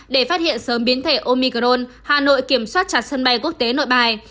để phát hiện sớm biến thể omicron hà nội kiểm soát chặt sân bay quốc tế nội bài